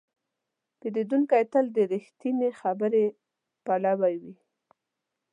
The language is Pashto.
پیرودونکی تل د رښتینې خبرې پلوی وي.